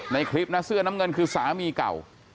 ในคลิปนะเสื้อน้ำเงินคือสามีเก่า